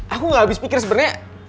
aku gak habis pikir sebenarnya